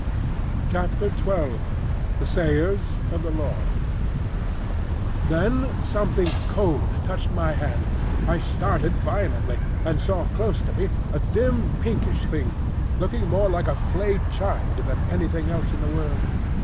XII. THE SAYERS OF THE LAW. Then something cold touched my hand. I started violently, and saw close to me a dim pinkish thing, looking more like a flayed child than anything else in the world.